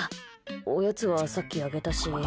おやつはさっきあげたし。